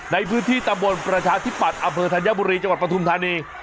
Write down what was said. ในพื้นที่ตำบลประชาธิปัตย์อำเภอธัญบุรีจังหวัดปฐุมธานี